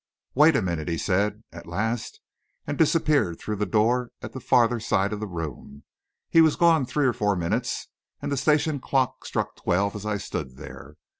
"Wait a minute," he said, at last, and disappeared through a door at the farther side of the room. He was gone three or four minutes, and the station clock struck twelve as I stood there.